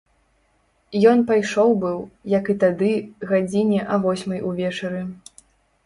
Ён пайшоў быў, як і тады, гадзіне а восьмай увечары.